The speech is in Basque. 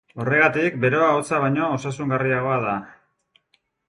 Horregatik, beroa hotza baino osasungarriagoa da.